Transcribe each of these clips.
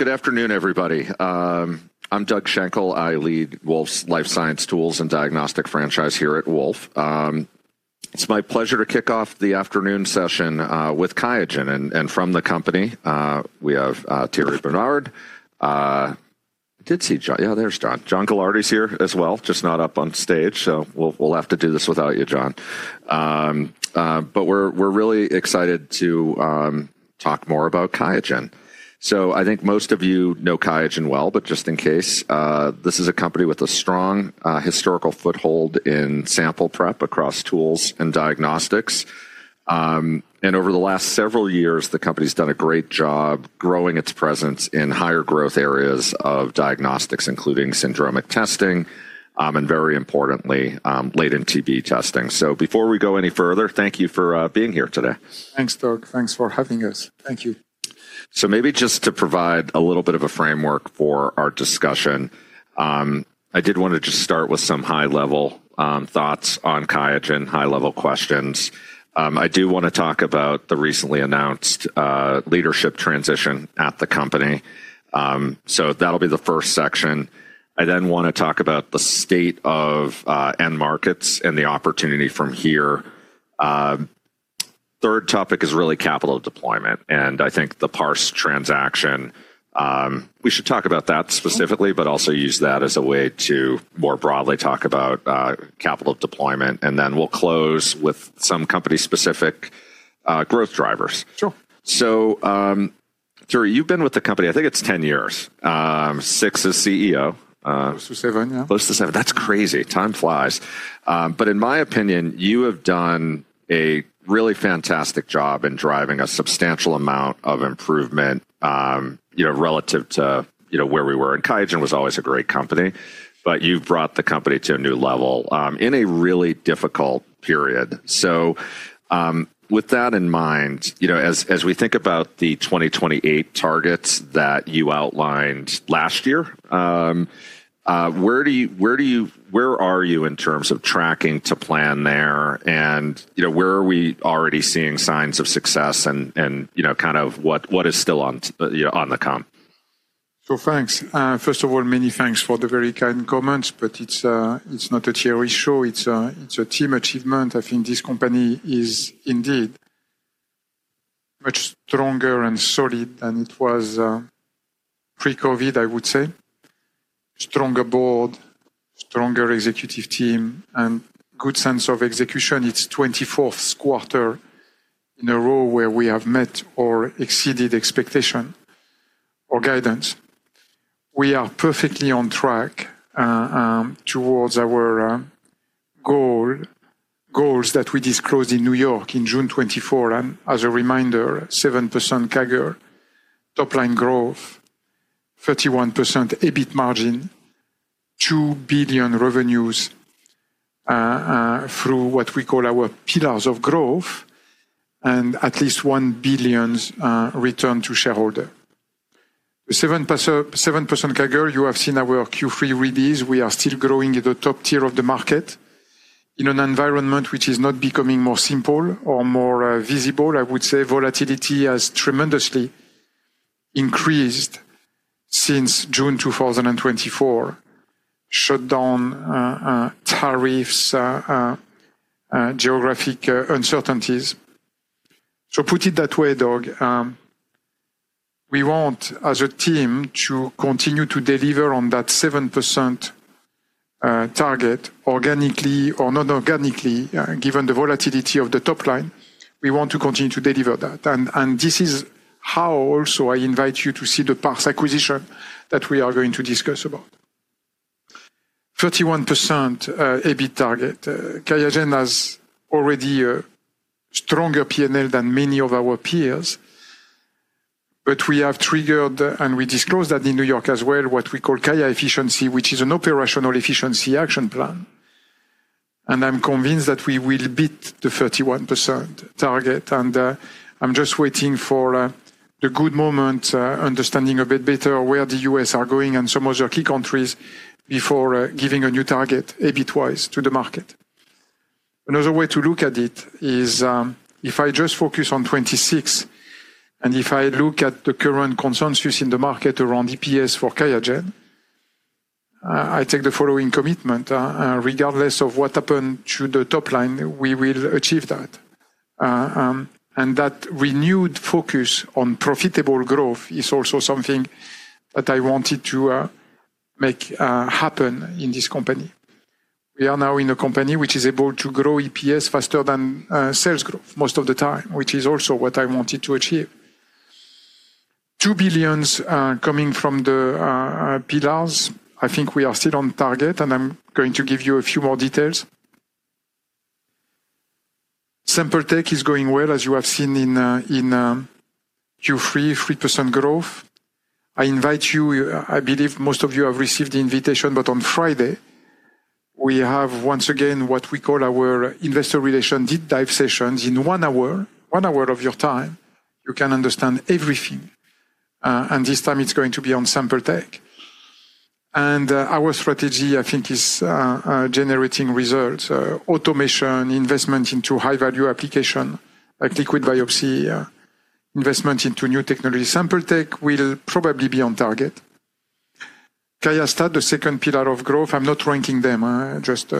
Good afternoon, everybody. I'm Doug Shankle. I lead Wolfe's life science tools and diagnostic franchise here at Wolfe. It's my pleasure to kick off the afternoon session, with Qiagen and, and from the company. We have, Thierry Bernard, I did see John. Yeah, there's John. John Gartland's here as well, just not up on stage. So we'll have to do this without you, John. We're really excited to talk more about QIAGEN. I think most of you know QIAGEN well, but just in case, this is a company with a strong, historical foothold in sample prep across tools and diagnostics. Over the last several years, the company's done a great job growing its presence in higher growth areas of diagnostics, including syndromic testing, and very importantly, latent TB testing. Before we go any further, thank you for being here today. Thanks, Doug. Thanks for having us. Thank you. Maybe just to provide a little bit of a framework for our discussion, I did wanna just start with some high-level thoughts on QIAGEN, high-level questions. I do wanna talk about the recently announced leadership transition at the company. That'll be the first section. I then wanna talk about the state of end markets and the opportunity from here. Third topic is really capital deployment, and I think the Parse transaction, we should talk about that specifically, but also use that as a way to more broadly talk about capital deployment. Then we'll close with some company-specific growth drivers. Sure. So, Thierry, you've been with the company, I think it's 10 years, six as CEO. Close to seven, yeah. Close to seven. That's crazy. Time flies. But in my opinion, you have done a really fantastic job in driving a substantial amount of improvement, you know, relative to, you know, where we were. And QIAGEN was always a great company, but you've brought the company to a new level, in a really difficult period. With that in mind, you know, as we think about the 2028 targets that you outlined last year, where do you, where are you in terms of tracking to plan there? You know, where are we already seeing signs of success and, you know, kind of what is still on, you know, on the come? Thanks. First of all, many thanks for the very kind comments, but it's not a Thierry show. It's a team achievement. I think this company is indeed much stronger and solid than it was pre-COVID, I would say. Stronger board, stronger executive team, and good sense of execution. It's the 24th quarter in a row where we have met or exceeded expectation or guidance. We are perfectly on track towards our goals that we disclosed in New York in June 2024. As a reminder, 7% CAGR, top-line growth, 31% EBIT margin, $2 billion revenues, through what we call our pillars of growth, and at least $1 billion return to shareholder. The 7% CAGR, you have seen our Q3 release. We are still growing at the top tier of the market in an environment which is not becoming more simple or more visible. I would say volatility has tremendously increased since June 2024, shut down, tariffs, geographic uncertainties. Put it that way, Doug. We want, as a team, to continue to deliver on that 7% target organically or non-organically, given the volatility of the top line. We want to continue to deliver that. This is how also I invite you to see the Parse acquisition that we are going to discuss about. 31% EBIT target. QIAGEN has already a stronger P&L than many of our peers, but we have triggered and we disclosed that in New York as well, what we call Kaya efficiency, which is an operational efficiency action plan. I am convinced that we will beat the 31% target. I'm just waiting for the good moment, understanding a bit better where the U.S. are going and some other key countries before giving a new target EBIT-wise to the market. Another way to look at it is, if I just focus on 2026 and if I look at the current consensus in the market around EPS for QIAGEN, I take the following commitment, regardless of what happened to the top line, we will achieve that. That renewed focus on profitable growth is also something that I wanted to make happen in this company. We are now in a company which is able to grow EPS faster than sales growth most of the time, which is also what I wanted to achieve. $2 billion coming from the pillars. I think we are still on target, and I'm going to give you a few more details. Sample Tech is going well, as you have seen in Q3, 3% growth. I invite you, I believe most of you have received the invitation, but on Friday, we have once again what we call our investor relation deep dive sessions in one hour, one hour of your time. You can understand everything. This time it is going to be on sample tech. Our strategy, I think, is generating results, automation, investment into high-value application like liquid biopsy, investment into new technology. Sample Tech will probably be on target. QIAstat-Dx, the second pillar of growth, I am not ranking them, just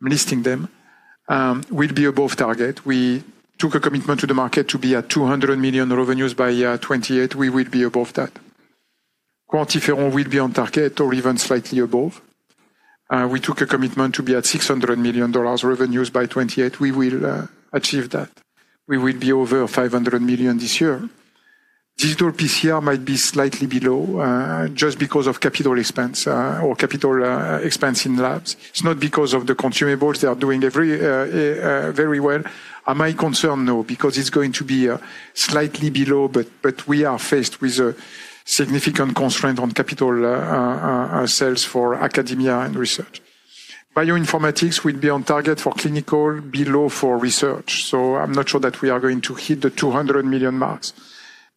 listing them, will be above target. We took a commitment to the market to be at $200 million revenues by 2028. We will be above that. QuantiFERON will be on target or even slightly above. We took a commitment to be at $600 million revenues by 2028. We will achieve that. We will be over $500 million this year. Digital PCR might be slightly below, just because of capital expense, or capital expense in labs. It is not because of the consumables. They are doing very well. Am I concerned? No, because it is going to be slightly below, but we are faced with a significant constraint on capital sales for academia and research. Bioinformatics will be on target for clinical, below for research. I am not sure that we are going to hit the $200 million marks.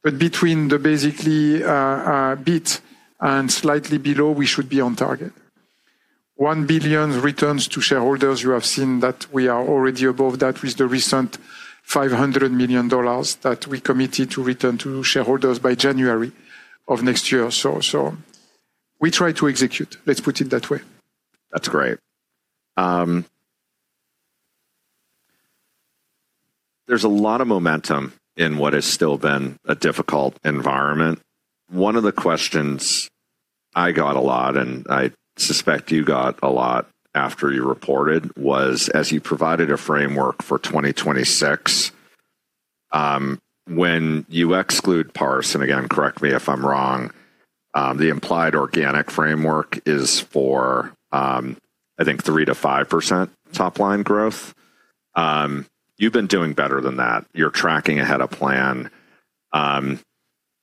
Between the basically bit and slightly below, we should be on target. $1 billion returns to shareholders. You have seen that we are already above that with the recent $500 million that we committed to return to shareholders by January of next year. We try to execute. Let us put it that way. That's great. There's a lot of momentum in what has still been a difficult environment. One of the questions I got a lot, and I suspect you got a lot after you reported, was, as you provided a framework for 2026, when you exclude Parse, and again, correct me if I'm wrong, the implied organic framework is for, I think 3%-5% top line growth. You've been doing better than that. You're tracking ahead of plan.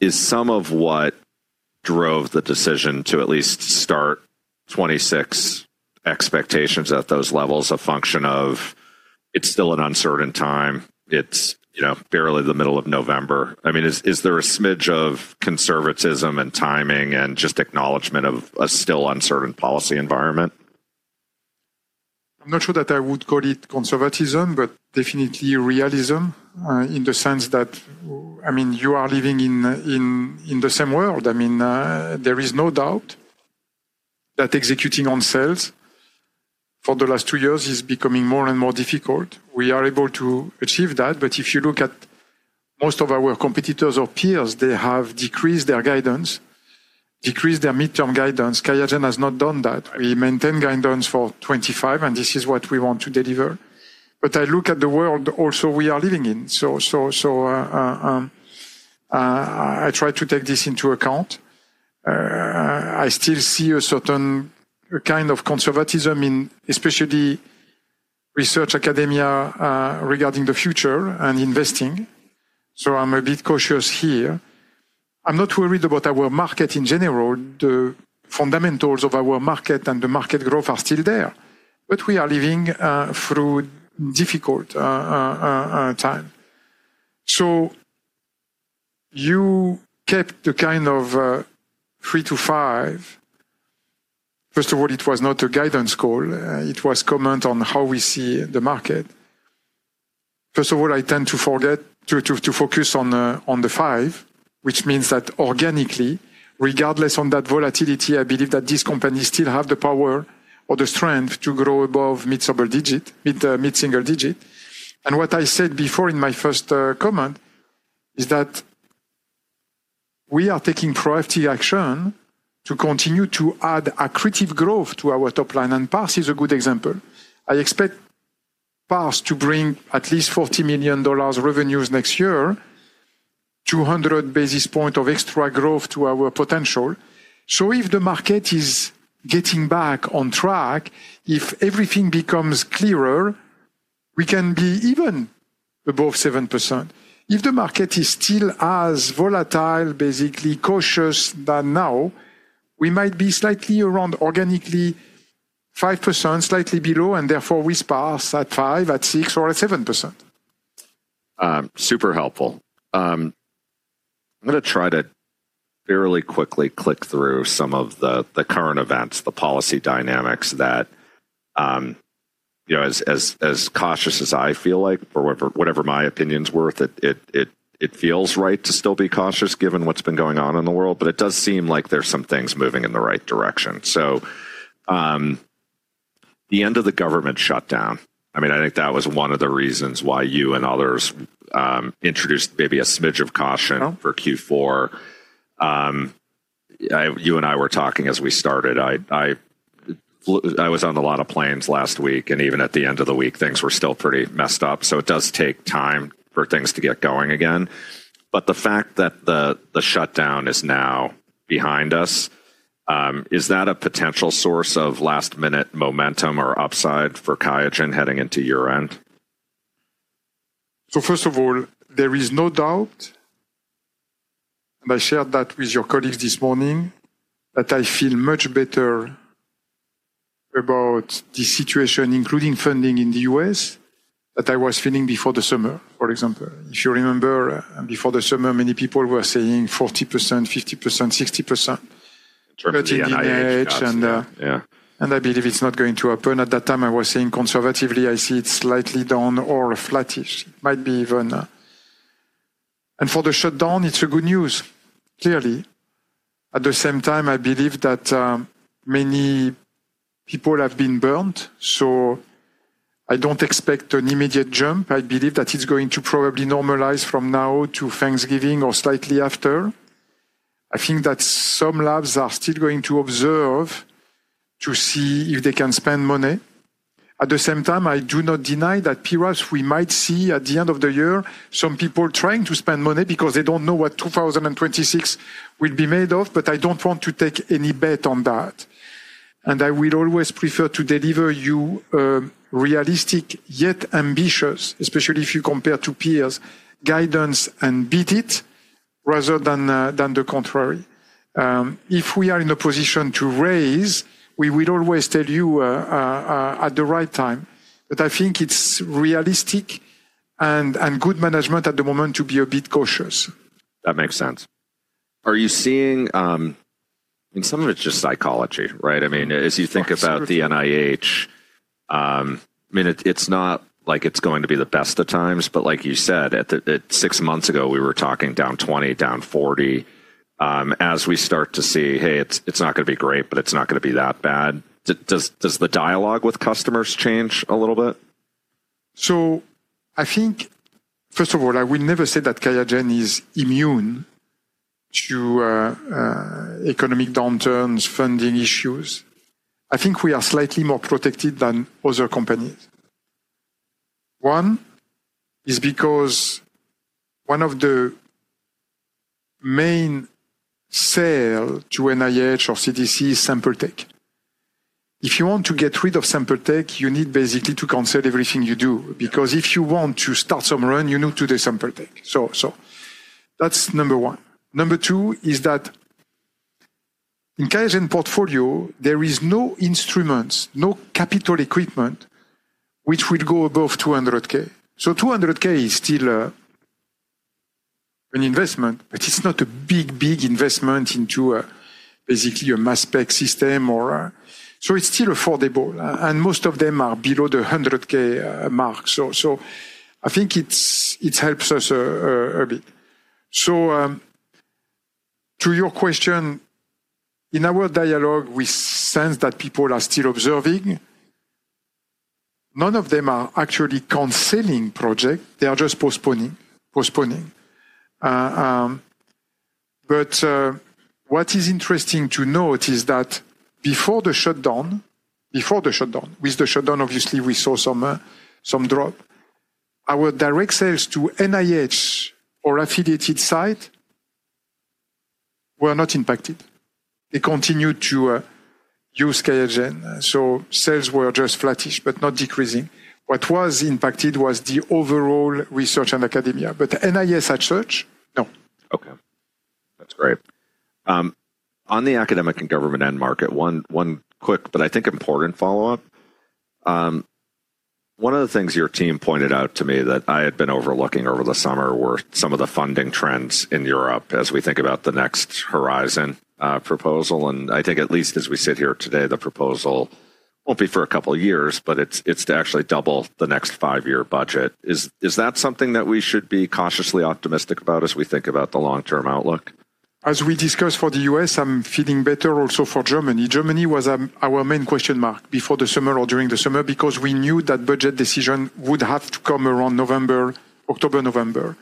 Is some of what drove the decision to at least start 2026 expectations at those levels a function of it's still an uncertain time, it's, you know, barely the middle of November? I mean, is, is there a smidge of conservatism and timing and just acknowledgement of a still uncertain policy environment? I'm not sure that I would call it conservatism, but definitely realism, in the sense that, I mean, you are living in the same world. I mean, there is no doubt that executing on sales for the last two years is becoming more and more difficult. We are able to achieve that. If you look at most of our competitors or peers, they have decreased their guidance, decreased their midterm guidance. QIAGEN has not done that. We maintain guidance for 2025, and this is what we want to deliver. I look at the world also we are living in. I try to take this into account. I still see a certain kind of conservatism in especially research academia, regarding the future and investing. I'm a bit cautious here. I'm not worried about our market in general. The fundamentals of our market and the market growth are still there, but we are living through difficult time. You kept the kind of three to five. First of all, it was not a guidance call. It was comment on how we see the market. I tend to forget to focus on the five, which means that organically, regardless of that volatility, I believe that these companies still have the power or the strength to grow above mid-single digit. What I said before in my first comment is that we are taking proactive action to continue to add accretive growth to our top line. Parse is a good example. I expect Parse to bring at least $40 million revenues next year, 200 basis points of extra growth to our potential. If the market is getting back on track, if everything becomes clearer, we can be even above 7%. If the market is still as volatile, basically cautious than now, we might be slightly around organically 5%, slightly below, and therefore we sparse at 5%, at 6%, or at 7%. Super helpful. I'm gonna try to fairly quickly click through some of the current events, the policy dynamics that, you know, as cautious as I feel like for whatever, whatever my opinion's worth, it feels right to still be cautious given what's been going on in the world, but it does seem like there's some things moving in the right direction. The end of the government shutdown, I mean, I think that was one of the reasons why you and others introduced maybe a smidge of caution for Q4. You and I were talking as we started. I was on a lot of planes last week, and even at the end of the week, things were still pretty messed up. It does take time for things to get going again. The fact that the shutdown is now behind us, is that a potential source of last-minute momentum or upside for QIAGEN heading into year-end? First of all, there is no doubt, and I shared that with your colleagues this morning, that I feel much better about the situation, including funding in the U.S., than I was feeling before the summer, for example. If you remember, before the summer, many people were saying 40%, 50%, 60%. In terms of the NIH and, yeah. I believe it's not going to happen. At that time, I was saying conservatively, I see it slightly down or flattish. It might be even, and for the shutdown, it's good news, clearly. At the same time, I believe that many people have been burned. I don't expect an immediate jump. I believe that it's going to probably normalize from now to Thanksgiving or slightly after. I think that some labs are still going to observe to see if they can spend money. At the same time, I do not deny that pillars, we might see at the end of the year, some people trying to spend money because they don't know what 2026 will be made of, but I don't want to take any bet on that. I will always prefer to deliver you a realistic yet ambitious, especially if you compare to peers, guidance and beat it rather than the contrary. If we are in a position to raise, we will always tell you at the right time. I think it is realistic and good management at the moment to be a bit cautious. That makes sense. Are you seeing, I mean, some of it's just psychology, right? I mean, as you think about the NIH, I mean, it's not like it's going to be the best at times, but like you said, at six months ago, we were talking down 20, down 40. As we start to see, hey, it's not gonna be great, but it's not gonna be that bad. Does the dialogue with customers change a little bit? I think, first of all, I will never say that QIAGEN is immune to economic downturns, funding issues. I think we are slightly more protected than other companies. One is because one of the main sales to NIH or CDC is sample tech. If you want to get rid of sample tech, you need basically to cancel everything you do, because if you want to start some run, you need to do sample tech. That is number one. Number two is that in QIAGEN portfolio, there is no instruments, no capital equipment which will go above $200,000. $200,000 is still an investment, but it is not a big, big investment into basically a mass spec system or, so it is still affordable, and most of them are below the $100,000 mark. I think it helps us a bit. To your question, in our dialogue, we sense that people are still observing. None of them are actually canceling projects. They are just postponing, postponing. What is interesting to note is that before the shutdown, with the shutdown, obviously we saw some drop. Our direct sales to NIH or affiliated sites were not impacted. They continued to use QIAGEN. Sales were just flattish, but not decreasing. What was impacted was the overall research and academia, but NIH as such, no. Okay. That's great. On the academic and government end market, one quick, but I think important follow-up. One of the things your team pointed out to me that I had been overlooking over the summer were some of the funding trends in Europe as we think about the next horizon, proposal. I think at least as we sit here today, the proposal will not be for a couple of years, but it is to actually double the next five-year budget. Is that something that we should be cautiously optimistic about as we think about the long-term outlook? As we discussed for the U.S., I'm feeling better also for Germany. Germany was our main question mark before the summer or during the summer because we knew that budget decision would have to come around October, November.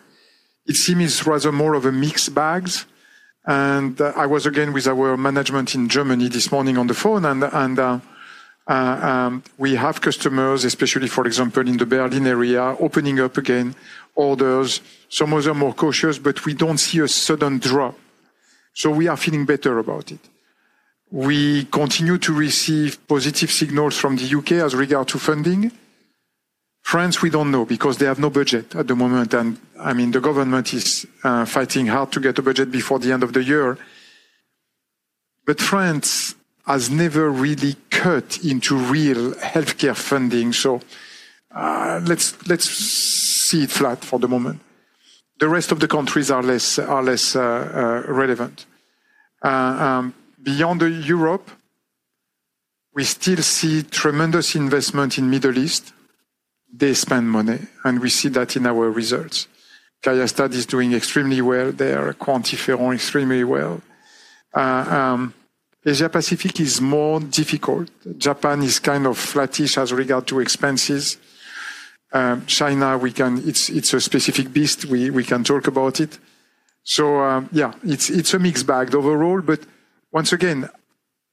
It seems rather more of a mixed bag. I was again with our management in Germany this morning on the phone, and we have customers, especially for example in the Berlin area, opening up again orders. Some of them are more cautious, but we do not see a sudden drop. We are feeling better about it. We continue to receive positive signals from the U.K. as regard to funding. France, we do not know because they have no budget at the moment. I mean, the government is fighting hard to get a budget before the end of the year. France has never really cut into real healthcare funding. Let's see it flat for the moment. The rest of the countries are less relevant. Beyond Europe, we still see tremendous investment in the Middle East. They spend money, and we see that in our results. QIAGEN is doing extremely well. They are quantificating extremely well. Asia Pacific is more difficult. Japan is kind of flattish as regard to expenses. China, we can, it's a specific beast. We can talk about it. Yeah, it's a mixed bag overall. Once again,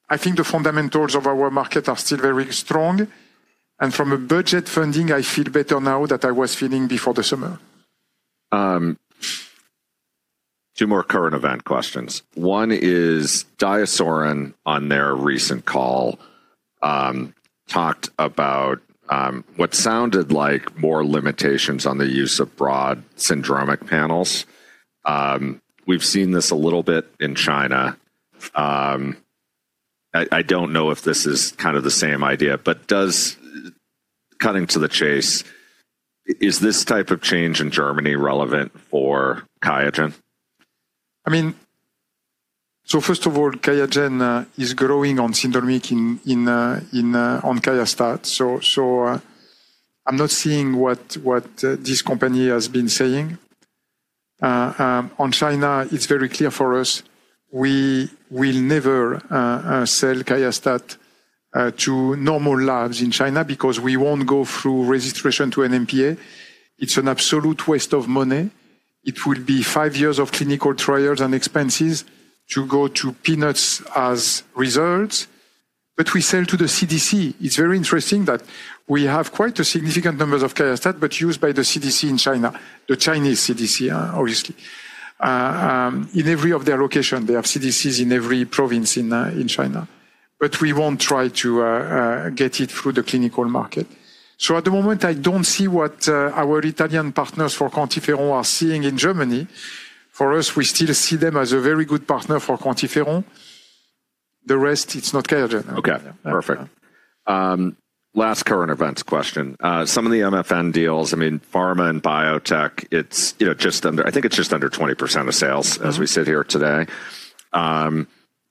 I think the fundamentals of our market are still very strong. From a budget funding, I feel better now than I was feeling before the summer. Two more current event questions. One is Diasorin on their recent call, talked about what sounded like more limitations on the use of broad syndromic panels. We've seen this a little bit in China. I don't know if this is kind of the same idea, but just cutting to the chase, is this type of change in Germany relevant for QIAGEN? I mean, so first of all, QIAGEN is growing on syndromic in, in, on QIAGEN. So, I'm not seeing what this company has been saying. On China, it's very clear for us. We will never sell QIAGEN to normal labs in China because we won't go through registration to an NPA. It's an absolute waste of money. It will be five years of clinical trials and expenses to go to peanuts as results. But we sell to the CDC. It's very interesting that we have quite a significant number of QIAGEN, but used by the CDC in China, the Chinese CDC, obviously. In every of their locations, they have CDCs in every province in China. But we won't try to get it through the clinical market. At the moment, I don't see what our Italian partners for QuantiFERON are seeing in Germany. For us, we still see them as a very good partner for QuantiFERON. The rest, it's not QIAGEN. Okay. Perfect. Last current events question. Some of the MFN deals, I mean, pharma and biotech, it's, you know, just under, I think it's just under 20% of sales as we sit here today.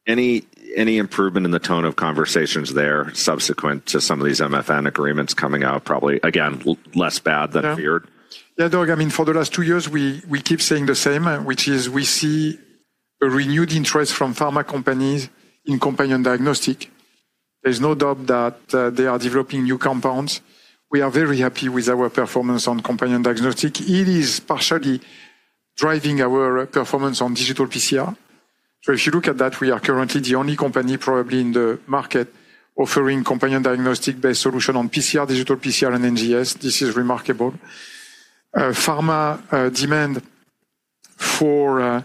Any, any improvement in the tone of conversations there subsequent to some of these MFN agreements coming out? Probably again, less bad than feared. Yeah. Yeah. I mean, for the last two years, we keep saying the same, which is we see a renewed interest from pharma companies in companion diagnostic. There's no doubt that they are developing new compounds. We are very happy with our performance on companion diagnostic. It is partially driving our performance on digital PCR. If you look at that, we are currently the only company probably in the market offering companion diagnostic-based solution on PCR, digital PCR, and NGS. This is remarkable. Pharma, demand for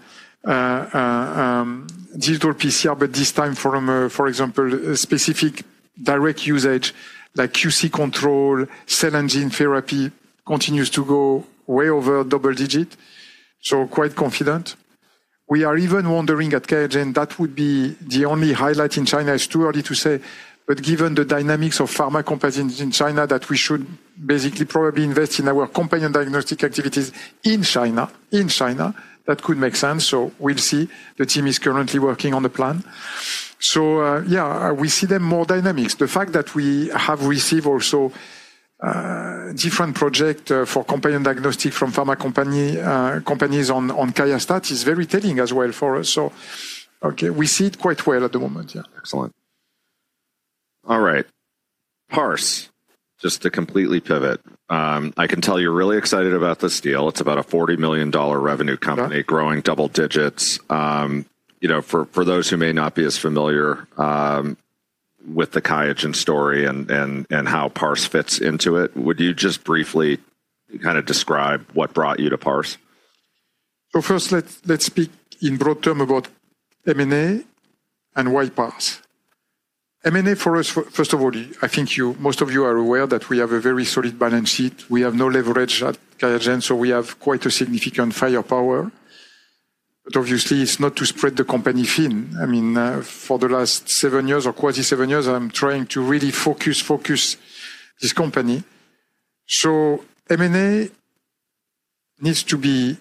digital PCR, but this time from, for example, specific direct usage like QC control, cell engine therapy continues to go way over double digit. Quite confident. We are even wondering at QIAGEN that would be the only highlight in China. It's too early to say, but given the dynamics of pharma companies in China, we should basically probably invest in our companion diagnostic activities in China. That could make sense. We'll see. The team is currently working on the plan. Yeah, we see more dynamics. The fact that we have received also different projects for companion diagnostic from pharma companies on QIAGEN is very telling as well for us. We see it quite well at the moment. Yeah. Excellent. All right. Parse, just to completely pivot, I can tell you're really excited about this deal. It's about a $40 million revenue company growing double digits. You know, for those who may not be as familiar with the Qiagen story and how Parse fits into it, would you just briefly kind of describe what brought you to Parse? First, let's speak in broad term about M&A and why Parse. M&A for us, first of all, I think most of you are aware that we have a very solid balance sheet. We have no leverage at QIAGEN, so we have quite a significant firepower. Obviously, it's not to spread the company thin. I mean, for the last seven years or quasi-seven years, I'm trying to really focus, focus this company. M&A needs to be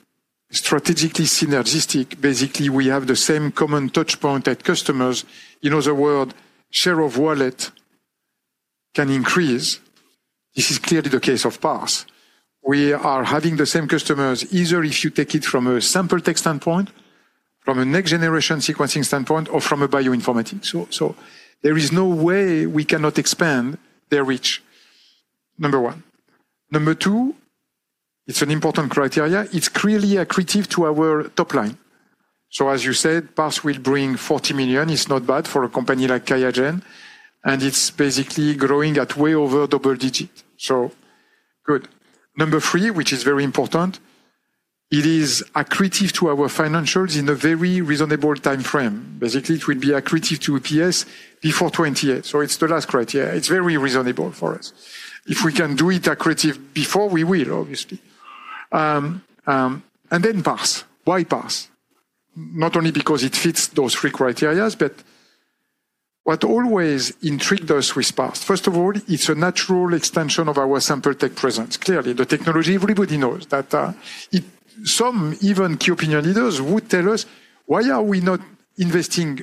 strategically synergistic. Basically, we have the same common touchpoint at customers. In other words, share of wallet can increase. This is clearly the case of Parse. We are having the same customers either if you take it from a sample tech standpoint, from a next-generation sequencing standpoint, or from a bioinformatics. There is no way we cannot expand their reach. Number one. Number two, it's an important criteria. It's clearly accretive to our top line. As you said, Parse will bring $40 million. It's not bad for a company like QIAGEN, and it's basically growing at way over double digit. Good. Number three, which is very important, it is accretive to our financials in a very reasonable timeframe. Basically, it will be accretive to EPS before 202X. It's the last criteria. It's very reasonable for us. If we can do it accretive before, we will, obviously. Parse. Why Parse? Not only because it fits those three criteria, but what always intrigued us with Parse, first of all, it's a natural extension of our sample tech presence. Clearly, the technology, everybody knows that, some even key opinion leaders would tell us, why are we not investing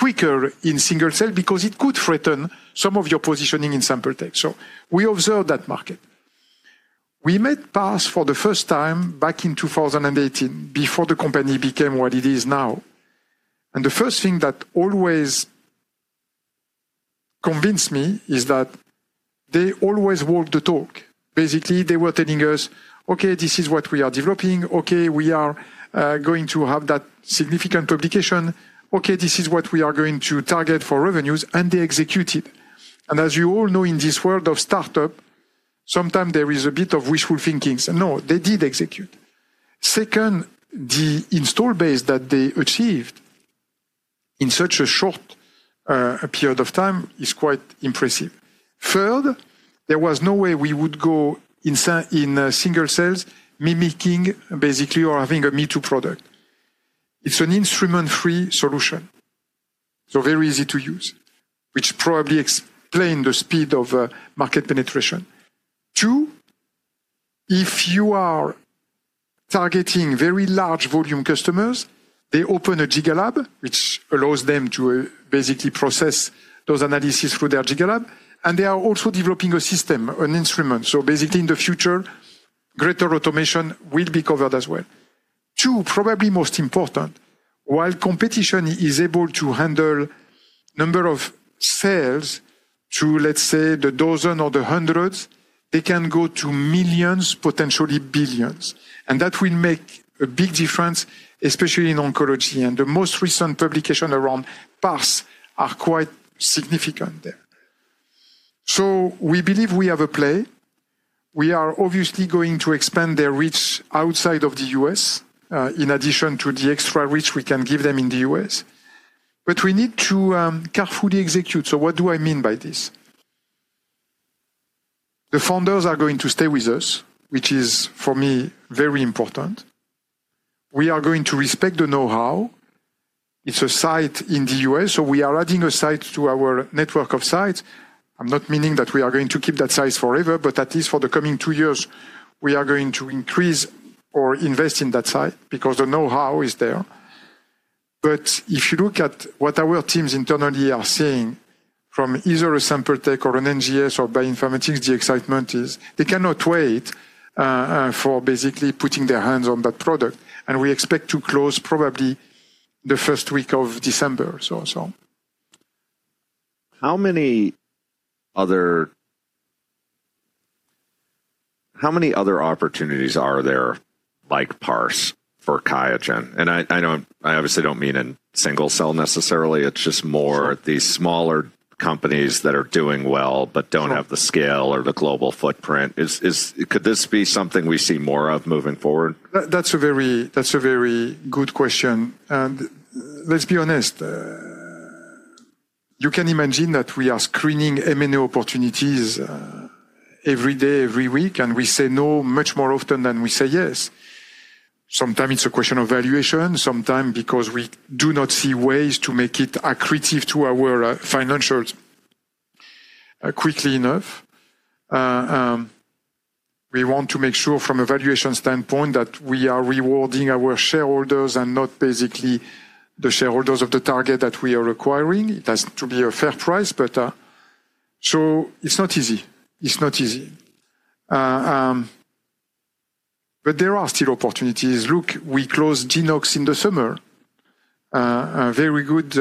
quicker in single cell? Because it could threaten some of your positioning in sample tech. We observe that market. We met Parse for the first time back in 2018 before the company became what it is now. The first thing that always convinced me is that they always walk the talk. Basically, they were telling us, okay, this is what we are developing. Okay, we are going to have that significant publication. Okay, this is what we are going to target for revenues, and they executed. As you all know, in this world of startup, sometimes there is a bit of wishful thinking. No, they did execute. Second, the install base that they achieved in such a short period of time is quite impressive. Third, there was no way we would go in single cells mimicking basically or having a me-too product. It is an instrument-free solution. Very easy to use, which probably explained the speed of market penetration. Two, if you are targeting very large volume customers, they open a GigaLab, which allows them to basically process those analyses through their GigaLab. They are also developing a system, an instrument. Basically, in the future, greater automation will be covered as well. Two, probably most important, while competition is able to handle a number of sales to, let's say, the dozen or the hundreds, they can go to millions, potentially billions. That will make a big difference, especially in oncology. The most recent publication around Parse are quite significant there. We believe we have a play. We are obviously going to expand their reach outside of the U.S., in addition to the extra reach we can give them in the U.S. We need to carefully execute. What do I mean by this? The founders are going to stay with us, which is for me very important. We are going to respect the know-how. It is a site in the U.S., so we are adding a site to our network of sites. I am not meaning that we are going to keep that size forever, but at least for the coming two years, we are going to increase or invest in that site because the know-how is there. If you look at what our teams internally are seeing from either a sample tech or an NGS or bioinformatics, the excitement is they cannot wait, for basically putting their hands on that product. We expect to close probably the first week of December. How many other, how many other opportunities are there like Parse for QIAGEN? I know I obviously do not mean in single cell necessarily. It is just more these smaller companies that are doing well but do not have the scale or the global footprint. Is, could this be something we see more of moving forward? That's a very, that's a very good question. Let's be honest, you can imagine that we are screening M&A opportunities every day, every week, and we say no much more often than we say yes. Sometimes it's a question of valuation, sometimes because we do not see ways to make it accretive to our financials quickly enough. We want to make sure from a valuation standpoint that we are rewarding our shareholders and not basically the shareholders of the target that we are acquiring. It has to be a fair price, but it's not easy. It's not easy, but there are still opportunities. Look, we closed Genox in the summer, a very good,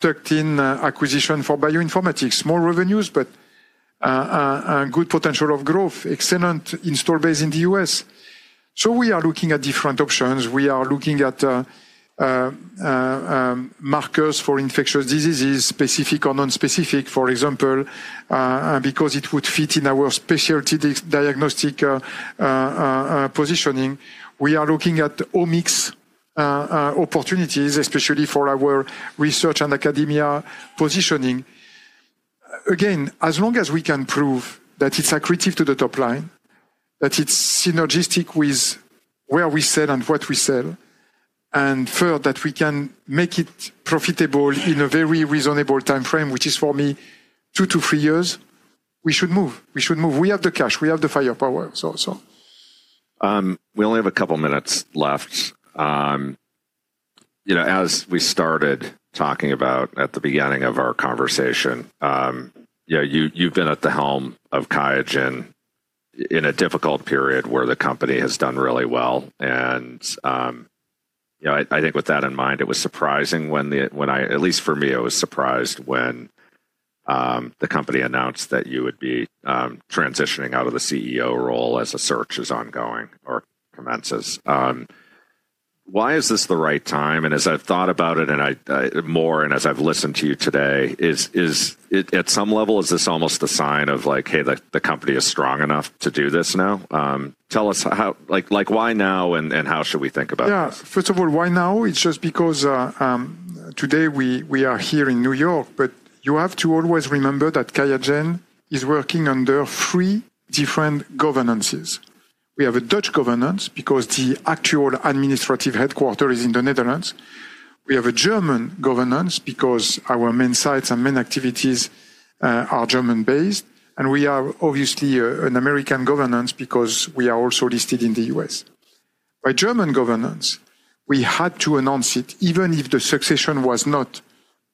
tucked-in acquisition for bioinformatics, small revenues, but a good potential of growth, excellent install base in the U.S. We are looking at different options. We are looking at markers for infectious diseases, specific or non-specific, for example, because it would fit in our specialty diagnostic positioning. We are looking at omics opportunities, especially for our research and academia positioning. Again, as long as we can prove that it is accretive to the top line, that it is synergistic with where we sell and what we sell, and third, that we can make it profitable in a very reasonable timeframe, which is for me two to three years, we should move. We should move. We have the cash. We have the firepower. We only have a couple minutes left. You know, as we started talking about at the beginning of our conversation, you know, you've been at the helm of QIAGEN in a difficult period where the company has done really well. And, you know, I think with that in mind, it was surprising when, when I, at least for me, I was surprised when the company announced that you would be transitioning out of the CEO role as a search is ongoing or commences. Why is this the right time? And as I've thought about it and I, I more, and as I've listened to you today, is, is it at some level, is this almost a sign of like, hey, the company is strong enough to do this now? Tell us how, like, like why now and how should we think about it? Yeah. First of all, why now? It's just because today we are here in New York, but you have to always remember that QIAGEN is working under three different governances. We have a Dutch governance because the actual administrative headquarter is in the Netherlands. We have a German governance because our main sites and main activities are German-based. And we are obviously an American governance because we are also listed in the U.S. By German governance, we had to announce it even if the succession was not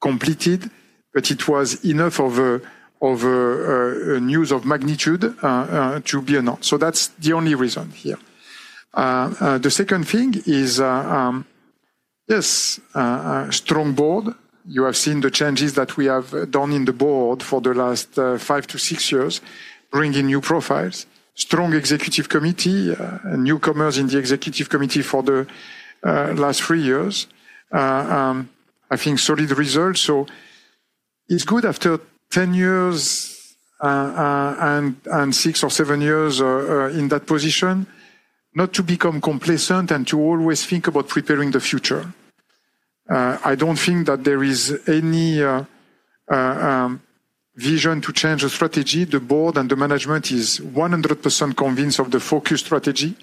completed, but it was enough of a news of magnitude to be announced. That's the only reason here. The second thing is, yes, a strong board. You have seen the changes that we have done in the board for the last five to six years, bringing new profiles, strong executive committee, newcomers in the executive committee for the last three years. I think solid results. It is good after 10 years, and six or seven years in that position, not to become complacent and to always think about preparing the future. I do not think that there is any vision to change the strategy. The board and the management is 100% convinced of the focus strategy.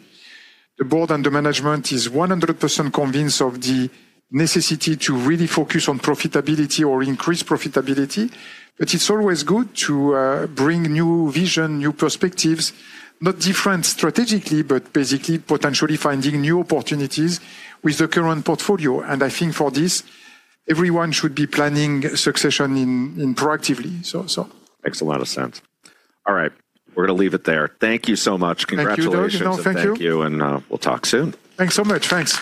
The board and the management is 100% convinced of the necessity to really focus on profitability or increase profitability. It is always good to bring new vision, new perspectives, not different strategically, but basically potentially finding new opportunities with the current portfolio. I think for this, everyone should be planning succession proactively. Makes a lot of sense. All right. We're going to leave it there. Thank you so much. Congratulations. Thank you. Thank you. We'll talk soon. Thanks so much. Thanks.